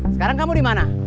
sekarang kamu dimana